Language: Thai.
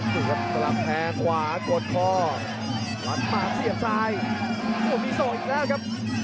สู้ครับสลับแพงขวากดคอหลักปากเสียบซ้ายโอ้มีสองอีกแล้วครับ